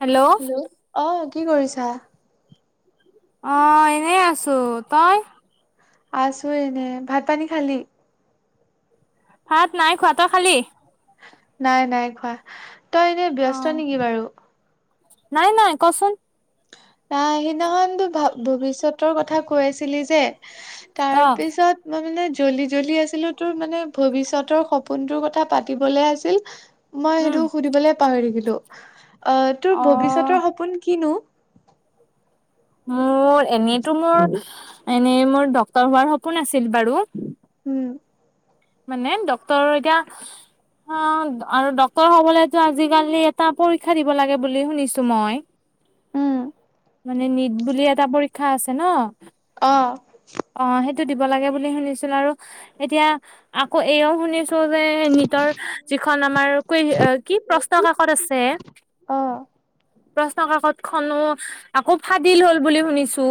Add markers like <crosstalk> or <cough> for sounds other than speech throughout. Hello hello অঁ কি কৰিছা? অঁ, এনেই আছো, তই? আছো এনে, ভাত পানী খালি? ভাত নাই খোৱা, তয় খালি? নাই নাই খোৱা, তই এনেই অ ব্যস্ত নেকি বাৰু? নাই নাই, কচোন। নাই সেইদিনাখনতো ভৱিষ্যতৰ কথা কৈ আছিলি যে, তাৰ অ পিছত, - মই মানে জ্বলদি জ্বলদি আছিলো তোৰ মানে ভৱিষ্যতৰ সপোনটোৰ কথা পাতিবলে আছিল- মই উম সেইটো সুধিবলে পাহৰি থাকিলো, অ' তোৰ ভৱিষ্যতৰ সপোন কিনো? মোৰ এনেইতো মোৰ, এনেই মোৰ ড্ক্তৰ হোৱাৰ সপোন আছিল বাৰু- উম' মানে, ডক্তৰৰ এতিয়া- অঁ' আৰু ডক্তৰ হবলেতো আজিকালি এটা পৰীক্ষা দিব লাগে বুলি শুনিছো মই। উম মানে, নিট বুলি এটা পৰীক্ষা আছে ন। অঁ' অঁ' সেইটো দিব লাগে বুলি শুনিছিলো, আৰু এতিয়া আকৌ এও শুনিছো- যে, নিতৰ যিখন আমাৰ কৈ কি প্ৰশ্ন কাকত আছে- অঁ' প্ৰশ্ন কাকত খনো আকৌ ফাদিল হল বুলি শুনিছো,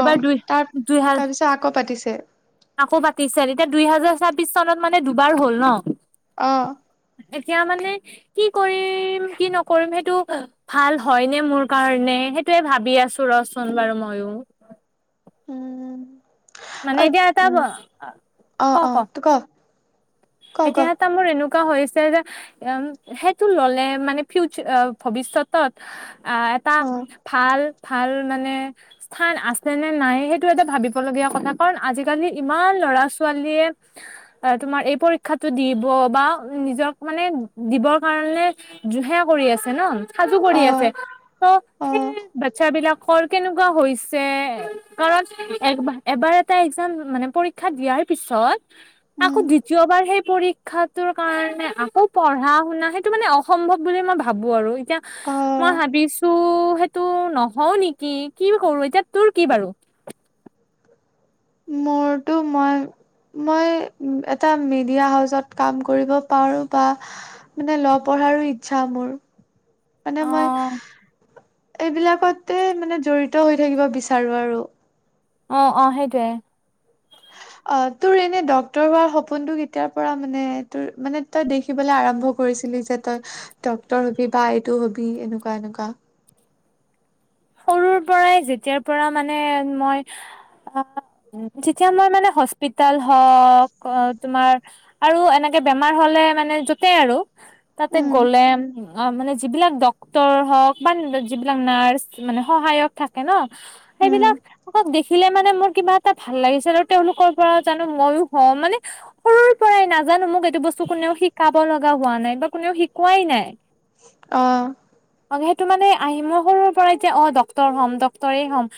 এইবাৰ দুই- তুই হাল- ছা আকৌ পাতিছে। আকৌ পাতিছে। এতিয়া দুই হেজাৰ ছাব্বিশ চনত মানে দুবাৰ হ'ল ন। অঁ' এতিয়া মানে, কি কৰিম কি নকৰিম সেইটো- ভাল হয় নে মোৰ কাৰণে সেইটোৱে ভাবি আছো ৰচোন বাৰু মইয়ো। উম' মানে, অ এতিয়া এটা ব উম অ ক ক। এতিয়া এট- টা মোৰ এনেকুৱা হৈছে যে এউম সেইটো ললে মানে ফিউচ ভৱিষ্যতত- আঁহ, এটা ভাল ভাল মানে- স্থান আছে নে নাই সেইটো এটা ভাবিবলগীয়া কথা কাৰণ, আজিকালি ইমান ল'ৰা ছোৱালীয়ে- তোমাৰ এই পৰীক্ষাটো দিব বা নিজক মানে দিবৰ কাৰণে- জুহে কৰি আছে ন, সাজু কৰি আছে। ত সেই বাৎচ্ছা বিলাক- কৰ কেনেকুৱা হৈছে? কাৰণ এবাৰ এটা এক্জাম মানে পৰীক্ষা দিয়াৰ পিছত, আকৌ উম দিত- যোৱাবাৰ সেই পৰীক্ষাটোৰ কাৰণে আকৌ পঢ়া শুনা সেইটো মানে অসম্ভৱ বুলি মই ভাবো আৰু। এতিয়া মই আহ ভাবিছো সেইটো নহও নেকি? কি কৰো? এতিয়া তোৰ কি বাৰু? মোৰতো মই মই এটা মিডিয়া হাউচত কাম কৰিব পাৰো বা মানে ল পঢ়াৰো ইচ্ছা মোৰ। মানে অ মই এইবিলাকতে মানে জড়িত হৈ থাকিব বিচাৰো আৰু। অঁ অঁ সেইটোৱে। অ তোৰ এনে ডক্তৰ হোৱাৰ সপোনটো কেতিয়াৰ পৰা মানে তোৰ মানে তই দেখি দেখিবলে আৰম্ভ কৰিছিলি যে তই ডক্তৰ হবি বা এইটো হবি এনেকুৱা এনেকুৱা? সৰুৰ পৰাই যেতিয়াৰ পৰা মানে মই যেতিয়া মই মানে হস্পিতাল হওঁক অ তোমাৰ আৰু এনেকে বেমাৰ হলে মানে যতে আৰু তাতে উম গ'লে মানে যিবিলাক ডক্তৰ হওক বা যিবিলাক নাৰ্ছ মানে সহায়ক থাকে ন, উম সেইবিলাক আ দে খিলে মানে মোৰ কিবা এটা ভাল লাগিছিল আৰু তেওঁলোকৰ পৰা জানো মইও হওঁ মানে সৰুৰ পৰাই নাজানো মোক এইটো বস্তু কোনেও শিকাব লগা হোৱা নাই বা কোনেও শিকোৱাই নাই। অঁ। অ সেইটো মানে আহি মই সৰুৰ পৰাই যে অ ডক্তৰ হ'ম ডক্তৰেই হম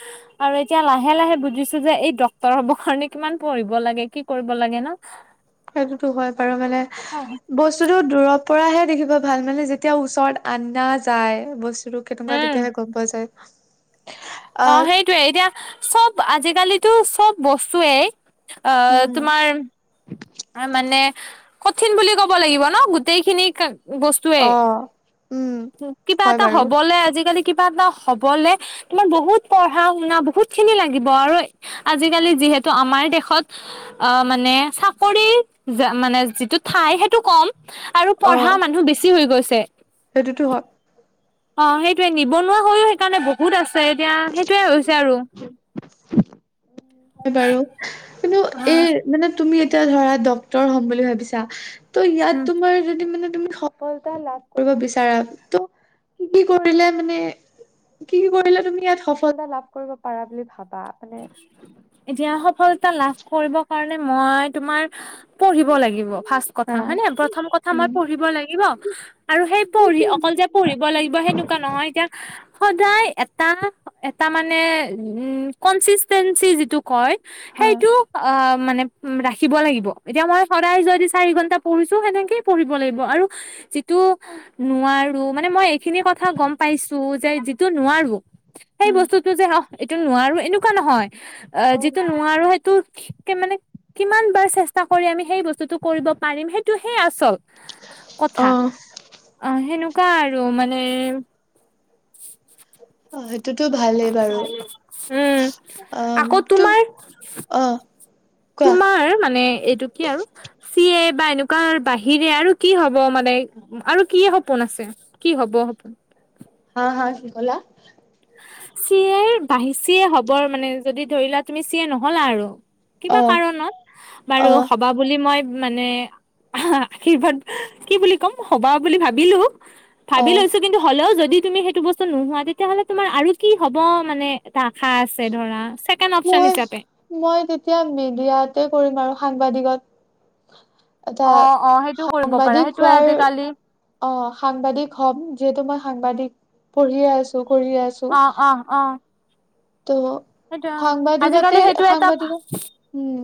আৰু এতিয়া লাহে লাহে বুজিছো যে এই ডাক্তৰ হবৰ কাৰণে কিমান পঢ়িব লাগে কি কৰিব লাগে ন। সেইটোতো হয় বাৰু মানে বস্তুতো দূৰৰ পৰাহে দেখিব ভাল, মানে যেতিয়া ওচৰত আনা যায় বস্ স্তুটো কেনেকুৱা উম তেতিয়াহে গম পোৱা যায়। অ আহ সেইটোৱে এতিয়া চব আজিকালিতো চব বস্তুৱেই অ উম তোমাৰ মানে কঠিন বুলি ক'ব লাগিব ন গোটেই খিনি বস্ টোৱেই, আহ উম কিবা হয় এটা বাৰু হবলে আজিকালি কিবা এটা হবলে তোমাৰ বহুত পঢ়া শুনা বহুত খিনি লাগিব আৰু আজিকালি যিহেতু আমাৰ দেশত অ মানে চাপ কৰি মানে যিটো ঠাই সেইটো কম আৰু অ পঢ়া মানুহ বেছি হৈ গৈছে। সেইটোতো হয়। অ সেইটোৱে নিবনুৱা হৈও সেইকাৰণে বহুত আছে এতিয়া সেইটোৱে হৈছে আৰু। <inaudible> হয় বাৰু, কিন্তু অ এই মানে তুমি এতিয়া ধৰা ডাক্তৰ হ'ম বুলি ভাবিছা ত' ইয়াত উম তোমাৰ যদি মানে তুমি স সফলতা লাভ কৰিব বিচাৰা, ত' কি কি কৰিলে মানে কি কি কৰিলে তুমি ইয়াত সফলতা লাভ কৰিব পাৰা বুলি ভাবা মানে এতিয়া সফলতা লাভ কৰিব কাৰণে মই তোমাৰ পঢ়িব লাগিব ফাৰ্ষ্ট কথা হা হয় নে, প্ৰথম কথা মই উম পঢ়িব লাগিব আৰু সেই পঢ়ি অকল যে পঢ়িব লাগিব সেনেকুৱা নহয় এতিয়া সদায় এটা এটা মানে উম কনস্তিষ্টেন্সী যিটো কয় হা সেইটো অ মানে ৰাখিব লাগিব, এতিয়া মই সদায় যদি চাৰি ঘন্টা পঢ়িছো সেনেকেই পঢ়িব লাগিব, আৰু যিটো নোৱাৰো মানে মই এইখিনি কথা গম পাইছো যে যি টো নোৱাৰো সেই হা বস্তুটো যে অ এইটো নোৱাৰো এনেকুৱা নহয়, আহ অ যিটো নো নোৱাৰোঁ সেইটো কে মানে কিমান বাৰ চেষ্টা কৰি আমি সেই বস্তুটো কৰিব পাৰিম সেই টো সেই আচল, অ কথা, অ, সেনেকুৱা আৰু মানে অ', সেইটোতো ভালেই বাৰু। উম আকৌ অ', তোমাৰ <unintelligible> অ, কোৱা পাৰোঁ মানে এইটো কি আৰু, চি এ বা এনেকুৱাৰ বাহিৰে আৰু কি হ'ব মানে? আৰু কি সপোন আছে, কি হ'ব সপো? হাঁ, হাঁ, কি ক'লা? চি এ <unintelligible> হ'বৰ মানে যদি ধৰি লোৱা তুমি চি এ নহ'লা আৰু। কিবা অ কাৰণত, অ বাৰু হ'বা বুলি মই মানে আশীৰ্বাদ, কি বুলি ক'ম হ'বা বুলি ভাবিলোঁ। অ ভাবি লৈছোঁ কিন্তু হ'লেও যদি তুমি সেইটো বস্তু নোহোৱা তেতিয়াহ'লে তোমাৰ আৰু কি হ'ব মানে এটা আশা আছে ধৰা, ছেকেণ্ড অপচন মই হিচাপে? মই তেতিয়া মিডিয়াতে কৰিম আৰু সাংবাদিকত। এটা, অ', অ', সেইটো কৰিব পাৰা সাংবাদিক সেইটোয়ে হোৱাৰ আজিকালি অ', সাংবাদিক হ'ম, যিহেতু মই সাংবাদিক, পঢ়িয়ে আছোঁ, কৰিয়ে আছোঁ। অ', অ, অ, ত' সেইটো আজিকালি সাংবাদিকতে সেইটো এটা সাংবাদিকত উম,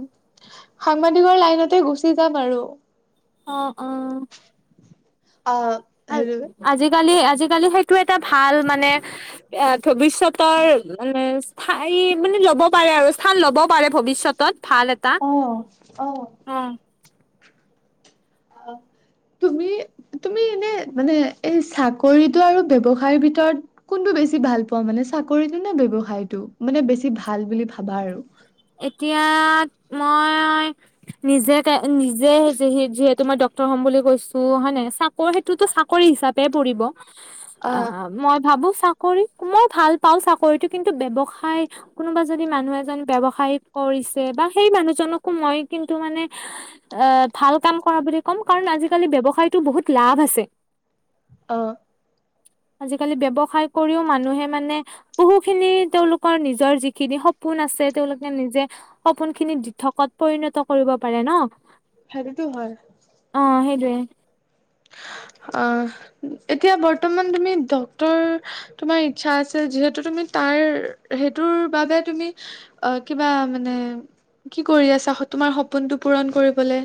সাংবাদিকৰ লাইনতে গুচি যাম আৰু। অ', অ, অ', আজিকালি, আজিকালি সেইটো এটা ভাল মানে, এহ ভৱিষ্যতৰ, মানে ঠাই মানে ল'ব পাৰে আৰু স্থান ল'ব পাৰে ভৱিষ্যতত, ভাল এ অ', অ, অ', তুমি তুমি এনে, মানে এই চাকৰিতলটো আৰু ব্যৱসায়ৰ ভিতৰত কোনটো বেছি ভাল পোৱা মানে চাকৰিটো নে ব্যৱসায়টো, মানে বেছি ভাল বুলি ভাবা আৰু? এতিয়া, মই নিজে তে নিজে হৈছোঁ হি যিহেতু মই ডক্টৰ হ'ম বুলি কৈছোঁ হয় নে চা কৰ সেইটোতো চাকৰি হিচাপে পৰিব, আহ মই ভাবোঁ ফা কৰি মই ভাল পাওঁ চাকৰিতো কিন্তু ব্যৱসায় কোনোবা যদি মানুহ এজন ব্যয়ৱ সহায় কৰিছে, বা সেই মানুহজনকো মই কিন্তু মানে আহ ভাল কাম কৰা বুলি ক'ম কৰা বুলি কাৰণ আজিকালি ব্যৱসায়তো বহুত লাভ আছে। অ', আজিকালি ব্যৱসায় কৰিও মানুহে মানে বহু খিনি তেওঁলোকৰ নিজৰ যিখিনি সপোন আছে তেওঁলোক কে নিজে, সপোন খিনি দি দিঠকত পৰিণত কৰিব পাৰে ন'। হেৰিতো হয়। অ', সেইটোৱে। অ' এতিয়া বৰ্তমান তুমি ডক্তৰ তোমাৰ ইচ্ছা আছে যিহেতু তুমি তাৰ সেইটোৰ বাবে তুমি অ', কিবা মানে, কি কৰি আছা তোমাৰ সপোনটো পূৰণ কৰিবলে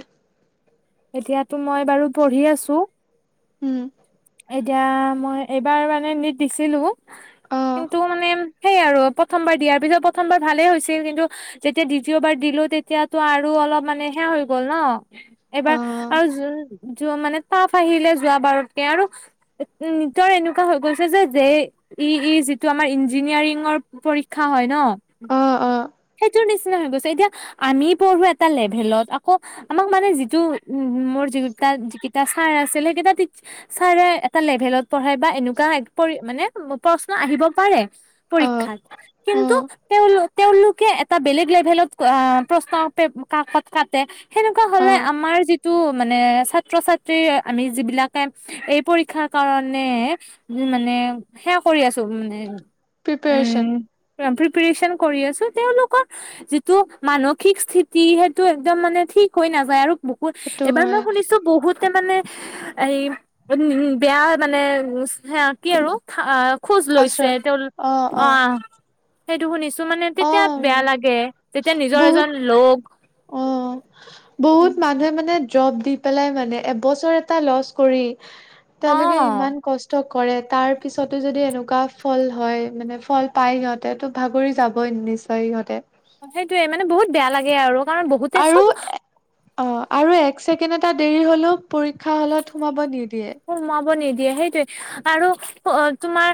এতিয়াতো মই বাৰু পঢ়ি আছোঁ। উম এতিয়া, মই এইবাৰ মানে নীট দিছিলোঁ, অ কিন্তু মানে সেই আৰু প্ৰথমবাৰ দিয়াৰ পিছত প্ৰথমবাৰ ভালেই হৈছিল কিন্তু যেতিয়া দ্বিতীয়বাৰ দিলো তেতিয়াটো আৰু অলপ মানে সেয়া হৈ গ'ল ন'। অ এবাৰ আৰু যো-যোৱা মানে তাৰ্ফ আহিলে যোৱ বাৰতকে আৰু নিজৰ এনেকুৱা হৈ গৈছে যে ই-ই যিটো আমাৰ ইঞ্জিনিয়াৰিংৰ পৰীক্ষা হয় ন'। অ অ সেইটো নিচিনা হৈ গৈছে। এতিয়া আমি পঢ়ো এটা লেভেলত আকৌ আমাক মানে যিটো উম, মোৰ যিটা-যিকেইটা ছাৰ আছিলে সেইকেইটা ছাৰে এটা লেভেলত পঢ়ায় বা এনেকুৱা পৰি মানে প্ৰশ্ন আহিব পাৰে। অ পৰীক্ষাত। অ কিন্তু তেওঁলোক-তেওঁলোক একে এটা বেলেগ লেভেলত আহ প্ৰশ্ন প্ৰে কাকত কাটে সেনেকুৱা অ হ'লে আমাৰ যি- যিটো মানে ছাত্ৰ-ছাত্ৰী আমি যিবিলাকে এই পৰীক্ষাৰ কাৰণে উম, মানে সেয়া কৰি আছোঁ মানে। প্ৰিপেৰেচন উম, প্ৰিপৰেচন কৰি আছোঁ। তেওঁলোকৰ যিটো মানসিক স্থিতি সেইটো একদম মানে ঠিক হৈ নাযায় আৰু বহুত, সেইটো এইবাৰ হয় মই শুনিছোঁ বহুতে মানে এই বেয়া মানে, সেয়া কি আৰু? খা-খোজ লৈছে আশ্ৰয় তেওঁ অ', অ', অহ, সেইটো শুনিছোঁ মানে তেতিয়া অ', বেয়া লাগে, যেতিয়া নিজৰ এজন লগ অহ, বহুত মানুহে মানে জব দিল পেলাই মানে এবছৰ এটা লছ্ কৰি, অ তালৈকে ইমান কষ্ট কষ্ট কৰে তাৰপিছতো যদি এনেকুৱা ফল হয় মানে ফল পায় সিহঁতে, ত' ভাগৰি যাবই নিক্ষ কৈ ইহঁতে সেইটোৱে মানে বহুত বেয়া লাগে আৰু কাৰণ বহুত আৰু অহ' আৰু এক ছেকেণ্ড এটা দেৰি হলেও পৰীক্ষা হলত সোমাব নিদিয়ে। সোমোৱাব নিদিয়ে সেইটোৱে আৰু তোমাৰ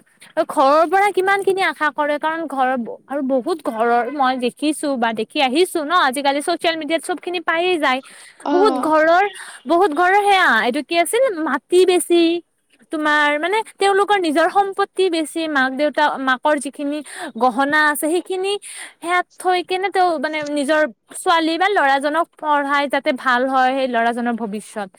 ঘৰৰ পৰা কিমানখিনি আশা কৰে কাৰণ ঘৰৰ আৰু বহুত ঘৰৰ মই দেখি দেখিছোঁ বা দেখি আহিছোঁ ন' আজিকালি চচিয়েল মিডিয়াত চবখিনি প্ৰাইয়ে যায় বহুত অ', ঘৰৰ, বহুত ঘৰৰ সেয়া এইটো কি আছিল, মাটি বেছি তোমাৰ, মানে তেওঁওলোকৰ নিজৰ সম্পত্তি বেছি মাক-দেউতা, মাকৰ যিখিনি গহনা আছে, সেইখিনি সেয়াত থৈ কেনে তেওঁ মানে নিজৰ ছোৱালী বা ল'ৰাজনক পঢ়াই যাতে ভাল হয় সেই ল'ৰাজনৰ ভৱিষ্যত।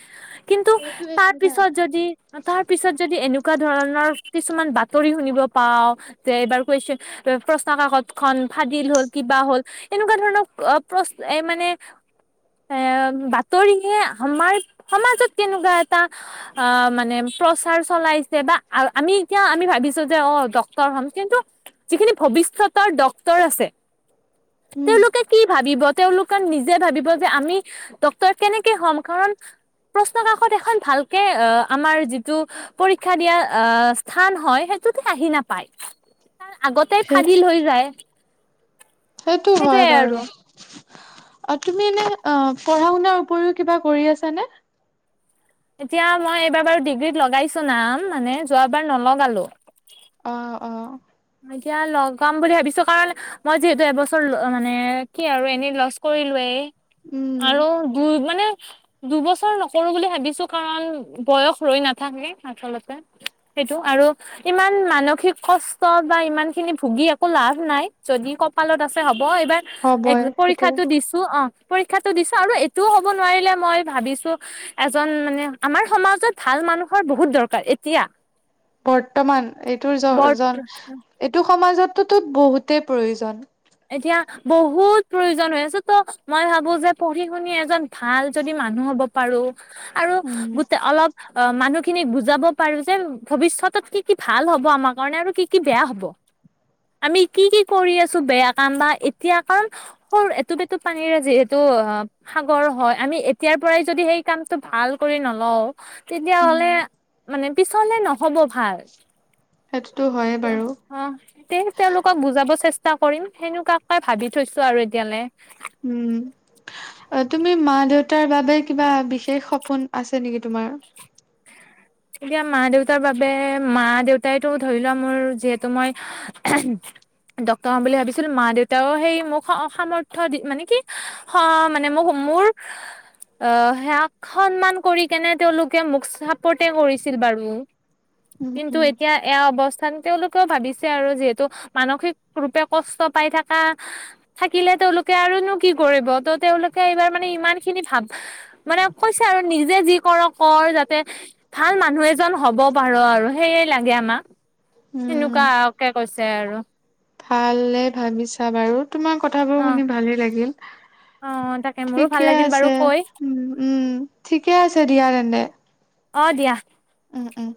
কিন্তু সেইটোৱেটো না তাৰপিছত যদি, তাৰপিছত যদি এনে এনেকুৱা ধৰণৰ কিছুমান বাতৰি শুনিব পাওঁ। যে এইবাৰ কুৱেশন, প্ৰশ্ন কাকতখন ফাদিল হ'ল কিবা হ'ল। এনেকুৱা ধৰণৰ অহ, প্ৰ এ মানে এ বাতৰিয়ে আমাৰ সমাজত কেনেকুৱা এটা অহ, মানে প্ৰচাৰ চলাইছে বা আমি এতিয়া আমি ভাবিছোঁ যে অহ, ডক্তৰ হম কিন্তু যিখিনি ভৱিষ্যতৰ ডক্তৰ আছে। উম। তেওঁলোকে কি ভাবিব, তেওঁলোকে নিজে ভাবিব যে, আমি ডক্তৰ কেনেকে হ'ম কাৰণ প্ৰশ্ন কাকত এখন ভালকে অহ, আমাৰ যিটো পৰীক্ষা দিয়া অহ স্থান হয়, সেইটোতে আহি নাপায়। তাৰ আগতেই সেই ফাহিল হৈ যায়। সেইটো হয় সেইটোয়ে আৰু বাৰু। অ', তুমি এনেই পঢ়া-শুনাৰ উপৰিও কিবা কৰি আছা নে? এতিয়া মই এইবাৰ বাৰু ডিগ্ৰীত লগাইছো নাম, মানে যোৱাবাৰ নলগালোঁ। অ', অ'। এতিয়া লগাম বুলি ভাবিছো কাৰণ মই যিহেতু এবছৰ মানে কি আৰু, এনেই লষ্ট কৰিলোৱে, উম আৰু মোৰ মানে দুবছৰ নকৰো বুলি ভাবিছো, কাৰণ বয়স ৰৈ নাথাকে, আচলতে। সেইটো আৰু ইমান মানসিক কষ্ট বা ইমান খিনি ভুগি একো লাভ নাই, যদি কপালত আছে হ'ব। এইবাৰ হ'বই সেইটোৱে পৰীক্ষাটো দিছো। অ, পৰীক্ষাটো দিছো, আৰু এইটোও হ'ব নোৱাৰিলে, মই ভাবিছো এজন মানে আমাৰ সমাজত ভাল মানুহৰ বহুত দৰকাৰ এতিয়া। বৰ্তমান এইটো বৰ্ত জন-জন, এইটো সমাজততো বহুতেই প্ৰয়োজন। এতিয়া বহুত প্ৰয়োজন হৈ আছে। ত' মই ভাবো যে পঢ়ি-শুনি এজন ভাল যদি মানুহ হ'ব পাৰো, আৰু উম গোটে অলপ অ', মানুহখিনিক বুজাব পাৰো যে, ভৱিষ্যতত কি কি ভাল হ'ব আমাৰ কাৰণে, আৰু কি কি বেয়া হ'ব। আমি কি কি কৰি আছো বেয়া কাম বা এতিয়া কাম সৰু এটোপ-এটোঅ পানীৰে যিহেতু অ সাগৰ হয়, আমি এতিয়াৰ পৰাই যদি সেই কামটো ভাল কৰি নলও, উম তেতিয়াহ'লে মানে পিছলৈ নহ'ব ভাল। সেইটোতো হয়ে বাৰু! অ, তে তেওঁলোকক বুজাব চেষ্টা কৰিম, সেনেকুৱাকে ভাবি থৈছো আৰু এতিয়ালৈ। উম। অ, তুমি মা-দেউতাৰ বাবে কিবা বিশেষ সপোন আছে নেকি তোমাৰ? তেতিয়া মা-দেউতাৰ বাবে, মা-দেউতাইতো ধৰি লোৱা, মোৰ যিহেতু মই ডক্টৰ হ'ম বুলি ভাবিছিলো, মা-দেউতাও সেই মোক সামৰ্থয় দি, মানে কি <unintelligible> মানে মোক মোৰ আহ, সেয়াক সন্মান কৰি কেনে, তেওঁলোকে মোক চাপৰ্ট কৰিছিল বাৰু, উম কিন্তু উম এতিয়া এয়া অৱস্থান তেওঁলোকেও ভাবিছে আৰু, যিহেতু মানসিক ৰূপে কষ্ট পাই থকা থাকিলে, তেওঁলোকে আৰুনো কি কৰিব, ত, তেওঁলোকে এইবাৰ মানে ইমান খিনি ভাব মানে কৈছে আৰু নিজে যি কৰ কৰ যাতে ভাল মানুহ এজন হ'ব পাৰ আৰু, সেয়ে লাগে আমাক। উম সেনেকুৱাকে কৈছে আৰু। ভালে ভাবিছা বাৰু! তোমাৰ কথাবোৰ অ শুনি ভালেই লাগিল। অ তাকে মোৰো ভাল ঠিকে লাগিল বাৰু আছে, কৈ উম, ঠিকে আছে দিয়া তেন্তে। অ, দিয়া। উম উম